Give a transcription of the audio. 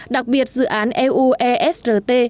đặc biệt dự án eu esrt